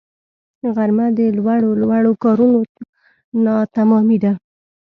غرمه د لوړو لوړو کارونو ناتمامی ده